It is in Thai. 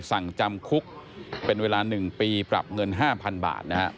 สั่งจำคุกเป็นเวลา๑ปีปรับเงิน๕๐๐๐บาทนะครับ